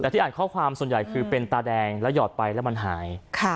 แต่ที่อ่านข้อความส่วนใหญ่คือเป็นตาแดงแล้วหยอดไปแล้วมันหาย